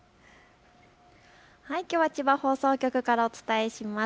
きょうは千葉放送局からお伝えします。